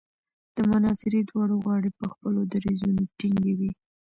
د مناظرې دواړه غاړې په خپلو دریځونو ټینګې وې.